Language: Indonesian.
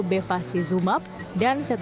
lihat bagaimana dengan obat penggantinya apa itu